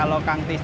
mau bareng gak